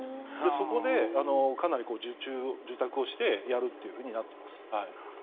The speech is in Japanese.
そこでかなり受託をしてやるということになっています。